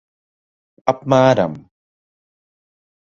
Apmēram.